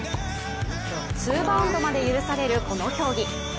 ツーバウンドまで許されるこの競技。